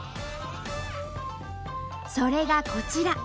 それがこちら。